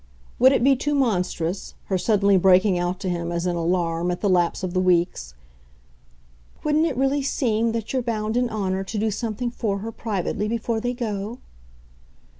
Would it be too monstrous, her suddenly breaking out to him as in alarm at the lapse of the weeks: "Wouldn't it really seem that you're bound in honour to do something for her, privately, before they go?"